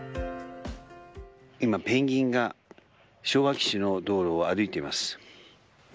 今、ペンギンが昭和基地の道路を歩いています。